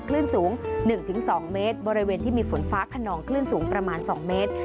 คลื่นสูง๑๒เมตรบริเวณที่มีฝนฟ้าขนองคลื่นสูงประมาณ๒เมตร